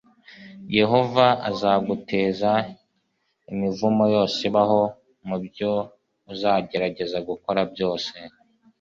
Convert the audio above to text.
yehova azaguteza imivumoyose ibaho mu byo uzagerageza gukora byose